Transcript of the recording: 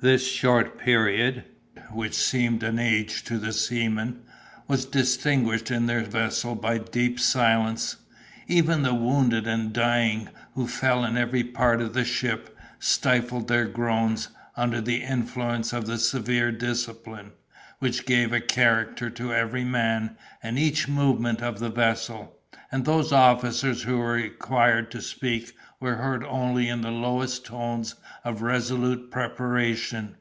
This short period, which seemed an age to the seamen, was distinguished in their vessel by deep silence. Even the wounded and dying, who fell in every part of the ship, stifled their groans, under the influence of the severe discipline, which gave a character to every man, and each movement of the vessel; and those officers who were required to speak, were heard only in the lowest tones of resolute preparation.